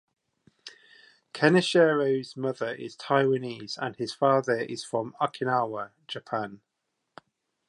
Kaneshiro's mother is Taiwanese and his father is from Okinawa, Japan.